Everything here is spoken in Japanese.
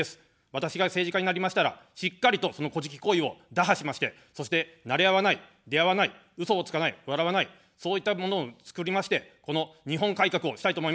私が政治家になりましたら、しっかりと、そのこじき行為を打破しまして、そして、なれ合わない、出会わない、うそをつかない、笑わない、そういったものを作りまして、この日本改革をしたいと思います。